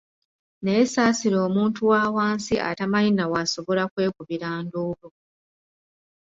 Naye saasira omuntu wa wansi atamanyi na w’asobola kwekubira nduulu!